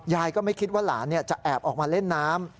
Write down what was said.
ยายก็ไม่คิดว่าหลานจะแอบออกมาเล่นน้ำ